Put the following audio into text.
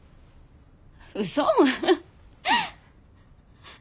うそ。